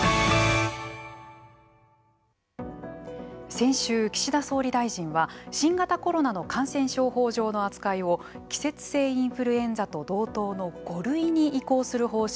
先週、岸田総理大臣は新型コロナの感染症法上の扱いを季節性インフルエンザと同等の５類に移行する方針を表明。